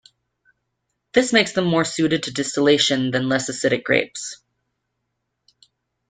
This makes them more suited to distillation than less acidic grapes.